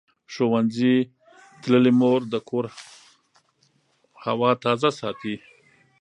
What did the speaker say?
ښوونځې تللې مور د کور هوا تازه ساتي.